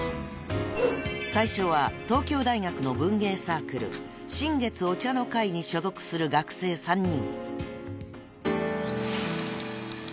［最初は東京大学の文芸サークル新月お茶の会に所属する学生３人］